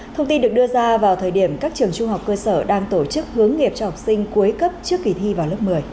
thông tin được đưa ra vào thời điểm các trường trung học cơ sở đang tổ chức hướng nghiệp cho học sinh cuối cấp trước kỳ thi vào lớp một mươi